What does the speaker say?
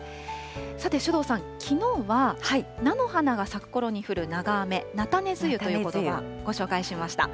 さて首藤さん、きのうは菜の花が咲くころに降る長雨、菜種梅雨ということば、ご紹介しました。